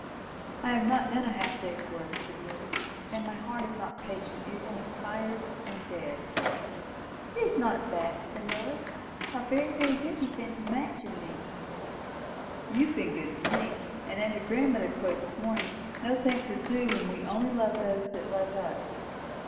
"I have not done a half day's work," said the other; "and my heart is not patient. It is only tired, and dead." "It is not that," said Lois. "How very, very good you have been to Madge and me!" "You have been good to me. And, as your grandmother quoted this morning, no thanks are due when we only love those who love us.